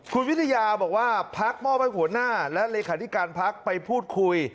คุณวิทยาบอกว่าพรรคมอบรรยาหัวหน้าและริขาดิการพรรคไปพูดคุย